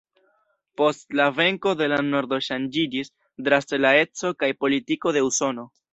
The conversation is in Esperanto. Post la venko de la nordo ŝanĝiĝis draste la eco kaj politiko de Usono.